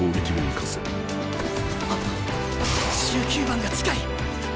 １９番が近い！